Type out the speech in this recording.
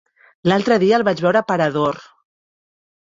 L'altre dia el vaig veure per Ador.